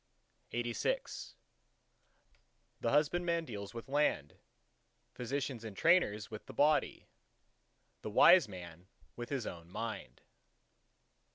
LXXXVII The husbandman deals with land; physicians and trainers with the body; the wise man with his own Mind.